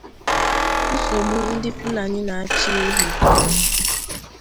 nsogbu ndị Fulani na-achị ehi